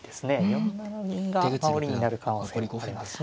４七銀が守りになる可能性もありますね。